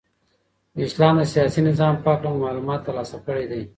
د اسلام د سیاسی نظام په هکله مو معلومات ترلاسه کړی دی.